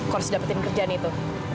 kursus dapetin kerjaan itu